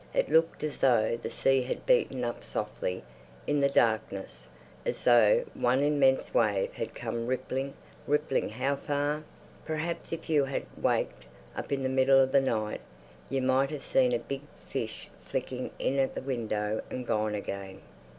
It looked as though the sea had beaten up softly in the darkness, as though one immense wave had come rippling, rippling—how far? Perhaps if you had waked up in the middle of the night you might have seen a big fish flicking in at the window and gone again....